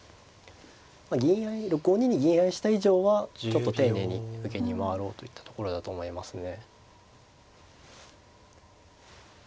まあ銀合い５二に銀合いした以上はちょっと丁寧に受けに回ろうといったところだと思いますね。